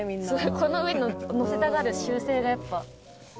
この上に載せたがる習性がやっぱ。